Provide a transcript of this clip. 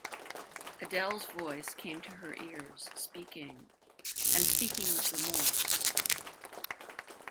Adele's voice came to her ears, speaking — and speaking with remorse.